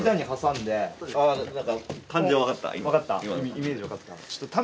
イメージわかった？